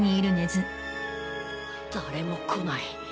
誰も来ない。